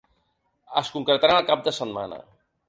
Es concretaran el cap de setmana.